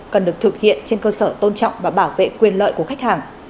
cần được thực hiện trên cơ sở tôn trọng và bảo vệ quyền lợi của khách hàng